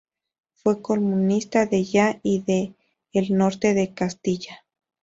Fue columnista de "Ya" y de "El Norte de Castilla".